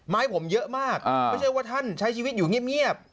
ให้ผมเยอะมากไม่ใช่ว่าท่านใช้ชีวิตอยู่เงียบ